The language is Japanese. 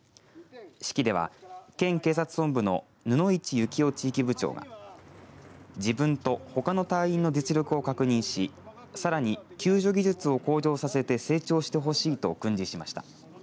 式では県警察本部の布一幸雄地域部長が自分とほかの隊員の実力を確認しさらに救助技術を向上させて成長してほしいと訓示しました。